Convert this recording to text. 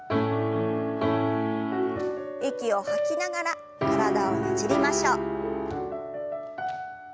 息を吐きながら体をねじりましょう。